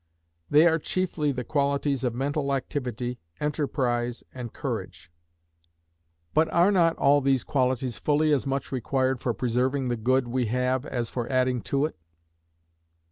They are chiefly the qualities of mental activity, enterprise, and courage. But are not all these qualities fully as much required for preserving the good we have as for adding to it?